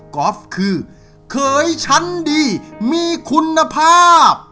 อล์ฟคือเขยชั้นดีมีคุณภาพ